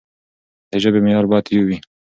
د ژبې معيار بايد يو وي.